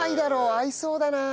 合いそうだな。